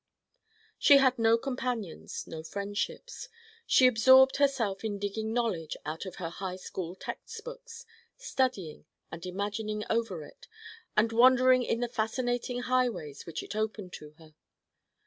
She had no companions, no friendships. She absorbed herself in digging knowledge out of her high school text books, studying and imagining over it, and wandering in the fascinating highways which it opened to her.